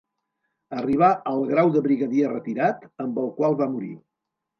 Arribà al grau de brigadier retirat, amb el qual va morir.